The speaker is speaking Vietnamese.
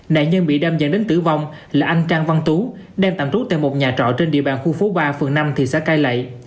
nạn nhân bị đâm dẫn đến tử vong là anh trang văn tú đang tạm trú tại một nhà trọ trên địa bàn khu phố ba phường năm thị xã cai lậy